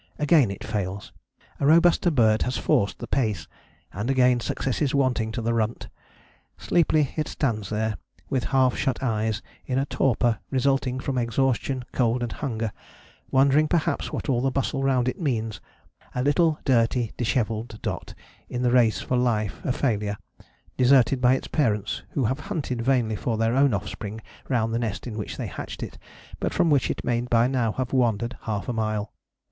Again it fails, a robuster bird has forced the pace, and again success is wanting to the runt. Sleepily it stands there, with half shut eyes, in a torpor resulting from exhaustion, cold, and hunger, wondering perhaps what all the bustle round it means, a little dirty, dishevelled dot, in the race for life a failure, deserted by its parents, who have hunted vainly for their own offspring round the nest in which they hatched it, but from which it may by now have wandered half a mile.